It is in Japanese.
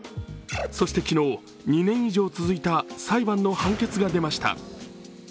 そして昨日、２年以上続いた裁判の判決が出ました。